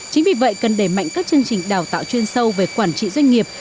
chính vì vậy cần đẩy mạnh các chương trình đào tạo chuyên sâu về quản trị doanh nghiệp